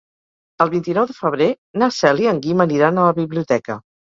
El vint-i-nou de febrer na Cel i en Guim aniran a la biblioteca.